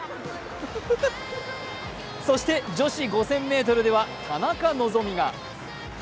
そして女子５０００ｍでは田中希実が。